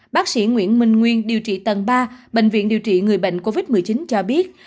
bác sĩ nguyễn minh nguyên điều trị tầng ba bệnh viện điều trị người bệnh covid một mươi chín cho biết